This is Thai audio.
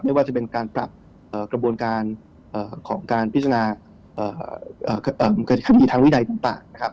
ว่าจะเป็นการปรับกระบวนการของการพิจารณาคดีทางวินัยต่างนะครับ